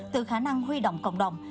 từ khả năng huy động cộng đồng